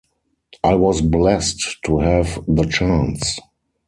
I was blessed to have the chance.